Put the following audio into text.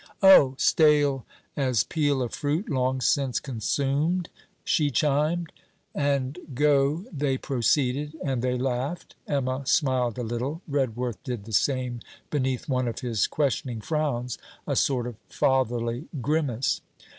'Oh! stale as peel of fruit long since consumed,' she chimed. And go they proceeded; and they laughed, Emma smiled a little, Redworth did the same beneath one of his questioning frowns a sort of fatherly grimace.